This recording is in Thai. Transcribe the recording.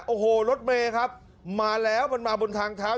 โอ้โหรถเมย์ครับมาแล้วมันมาบนทางเท้า